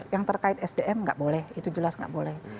yang terkait sdm nggak boleh